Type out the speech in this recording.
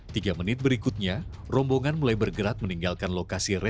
tiga menit berikutnya rombongan mulai bergerak meninggalkan lokasi restoran